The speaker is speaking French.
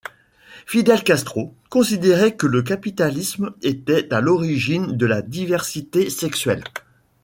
Fidel Castro considérait que le capitalisme était à l'origine de la diversité sexuelle.